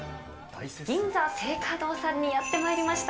銀座青果堂さんにやってまいりました。